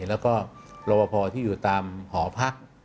และก็รวปภที่อยู่ตามหอพัก